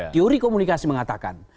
teori komunikasi mengatakan